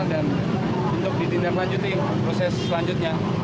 dan untuk ditindak lanjutin proses selanjutnya